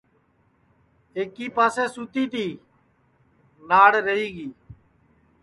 ایکی پاسے سُتی تی ناݪ رہی گی